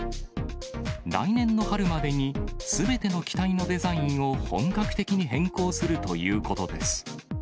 来年の春までにすべての機体のデザインを本格的に変更するということです。